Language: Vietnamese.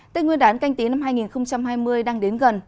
tên nguyên đán canh tí năm hai nghìn hai mươi đang đến gần